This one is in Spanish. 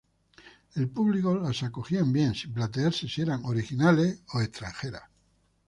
El público las acogía bien sin plantearse si eran originales o extranjeras.